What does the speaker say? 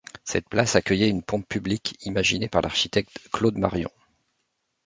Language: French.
Cette place accueillait une pompe publique, imaginée par l'architecte Claude Marion.